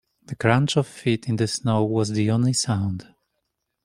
The crunch of feet in the snow was the only sound.